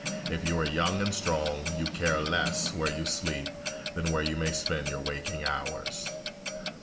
If you are young and strong, you care less where you sleep than where you may spend your waking hours.